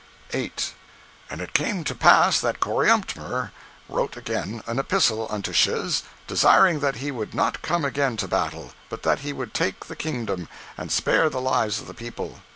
8. And it came to pass that Coriantumr wrote again an epistle unto Shiz, desiring that he would not come again to battle, but that he would take the kingdom, and spare the lives of the people.